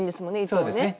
そうですね。